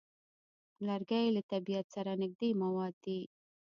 لرګی له طبیعت سره نږدې مواد دي.